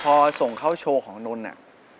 พอส่งเข้าโชว์ของนนท์น่ะ